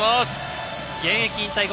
現役引退後